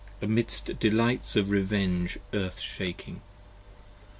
amidst delights of revenge Earth shaking!